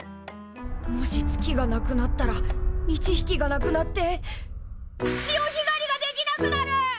もし月がなくなったら満ち引きがなくなって潮ひがりができなくなる！